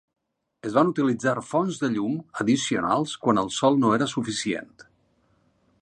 Es van utilitzar fonts de llum addicionals quan el sol no era suficient.